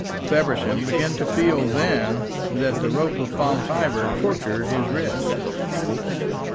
Feversham began to feel then that the rope of palm fibre tortured his wrists.